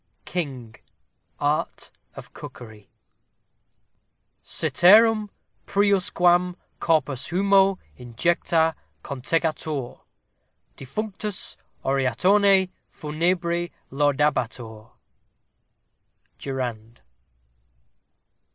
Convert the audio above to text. KING: Art of Cookery. Ceterum priusquam corpus humo injectâ contegatur, defunctus oratione funebri laudabatur. DURAND.